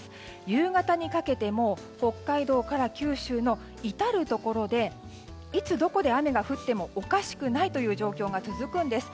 夕方にかけても北海道から九州の至るところでいつどこで雨が降ってもおかしくないという状況が続くんです。